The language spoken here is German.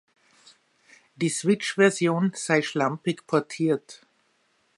Die Switch Version sei schlampig portiert.